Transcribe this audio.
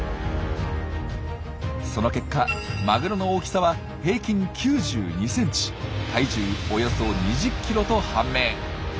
その結果マグロの大きさは平均９２ｃｍ体重およそ２０ｋｇと判明。